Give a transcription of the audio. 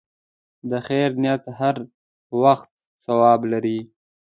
د خیر نیت هر وخت ثواب لري.